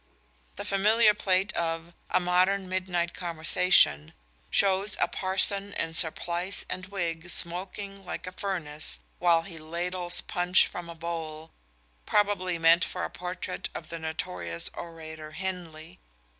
The familiar plate of A Modern Midnight Conversation shows a parson in surplice and wig smoking like a furnace while he ladles punch from a bowl probably meant for a portrait of the notorious Orator Henley.